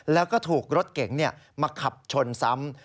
แล้วก็ถูกรถเก๋งมาขับชนซ้ำ